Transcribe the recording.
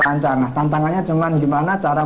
lancar nah tantangannya cuman gimana cara